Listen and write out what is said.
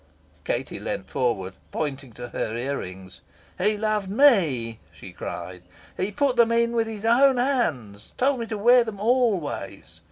Katie leaned forward, pointing to her ear rings. "He loved ME," she cried. "He put them in with his own hands told me to wear them always.